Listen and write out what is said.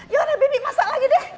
yaudah bibi masak lagi deh